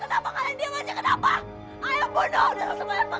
kenapa diam saja kenapa kalian diam saja kenapa